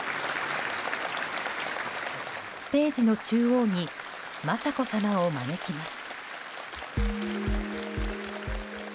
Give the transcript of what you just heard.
ステージの中央に雅子さまを招きます。